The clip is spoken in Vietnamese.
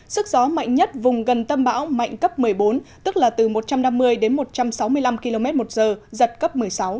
sức gió mạnh nhất vùng gần tâm bão mạnh cấp một mươi bốn tức là từ một trăm năm mươi đến một trăm sáu mươi năm km một giờ giật cấp một mươi sáu